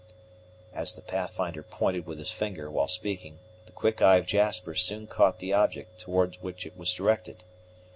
As the Pathfinder pointed with his finger while speaking, the quick eye of Jasper soon caught the object towards which it was directed.